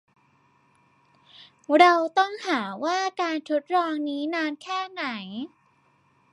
เราต้องหาว่าการทดลองนี้นานแค่ไหน